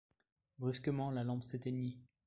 Brusquement, la lampe s’éteignit.